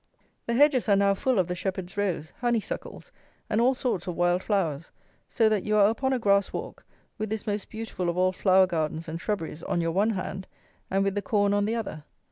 The hedges are now full of the shepherd's rose, honeysuckles, and all sorts of wild flowers; so that you are upon a grass walk, with this most beautiful of all flower gardens and shrubberies on your one hand, and with the corn on the other.